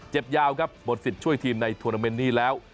เจ็บยาวครับหมดศิษย์ช่วยทีมในทวนเตอร์เมนท์นี้แล้ว